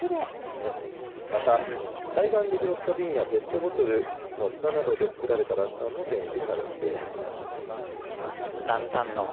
また、海岸で拾った瓶やペットボトルのふたなどで作られたランタンも展示されています。